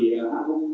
trong năm mới nhất